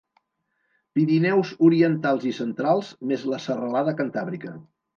Pirineus orientals i centrals, més la Serralada Cantàbrica.